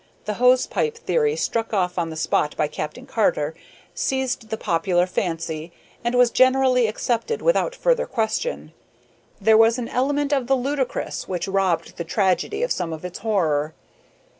The hose pipe theory, struck off on the spot by Captain Carter, seized the popular fancy, and was generally accepted without further question. There was an element of the ludicrous which robbed the tragedy of some of its horror.